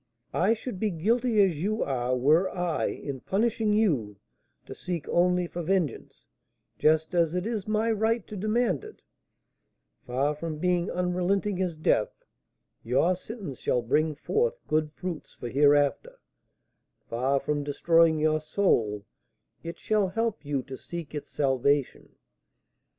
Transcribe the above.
I should be guilty as you are were I, in punishing you, to seek only for vengeance, just as is my right to demand it; far from being unrelenting as death, your sentence shall bring forth good fruits for hereafter; far from destroying your soul, it shall help you to seek its salvation.